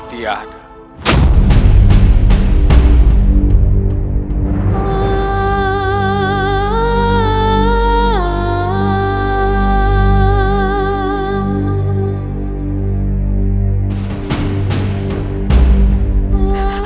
tak ada penyelesaianmu